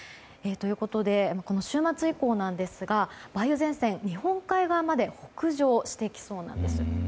ということでこの週末以降なんですが梅雨前線、日本海側まで北上してきそうなんです。